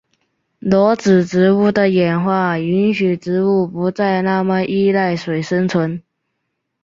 裸子植物的演化允许植物不再那么依赖水生存。